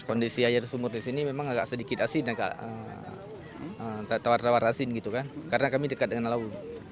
kondisi air sumur di sini memang agak sedikit asin agak tawar tawar asin gitu kan karena kami dekat dengan laut